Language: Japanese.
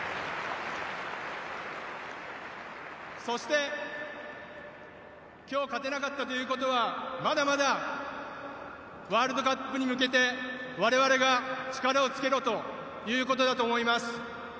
そして今日、勝てなかったということはまだまだワールドカップに向けて我々が力をつけろということだと思います。